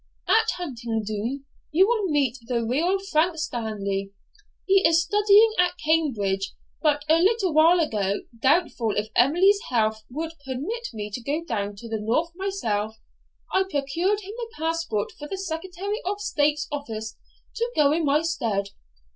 At Huntingdon you will meet the real Frank Stanley. He is studying at Cambridge; but, a little while ago, doubtful if Emily's health would permit me to go down to the North myself, I procured him a passport from the secretary of state's office to go in my stead.